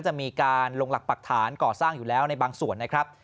จะมีการลงหลักปรักฐานก่อสร้างอยู่แล้วในบางส่วนนะครับ